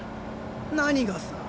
何がさ？